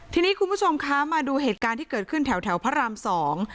ทีนี้คุณผู้ชมคะมาดูเหตุการณ์ที่เกิดขึ้นแถวแถวพระรามสอง